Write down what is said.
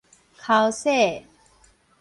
剾洗